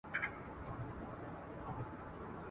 اورنګ زېب سو په ژړا ویل وېرېږم.